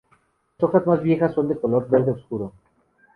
Las hojas más viejas son de color verde oscuro.